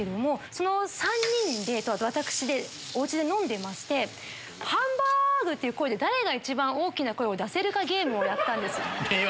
その３人と私でお家で飲んでましてハンバーグ！っていう声で誰が一番大きな声を出せるかゲームをやったんです。